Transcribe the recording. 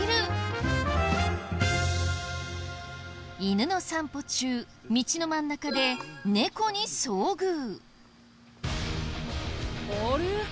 犬の散歩中道の真ん中で猫に遭遇。